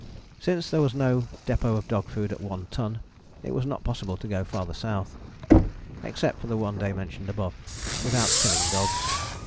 Since there was no depôt of dog food at One Ton it was not possible to go farther South (except for the one day mentioned above) without killing dogs.